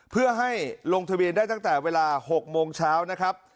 เพื่อให้ลงทะเบียนได้ตั้งแต่เวลา๖โมงเช้านะครับ